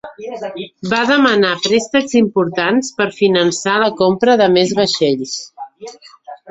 Va demanar préstecs importants per finançar la compra de més vaixells.